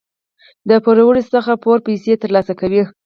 د پوروړي څخه پوره پیسې تر لاسه کوي.